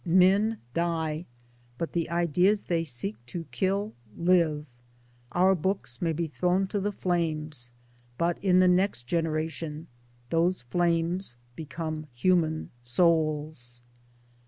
Men die, but the ideas they seek to kill live. Our books may be thrown to the flames, but in the next genera tion those flames become human souls."